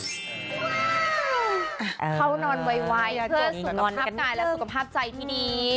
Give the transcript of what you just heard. เขานอนไวเพื่อสุขภาพกายและสุขภาพใจที่ดี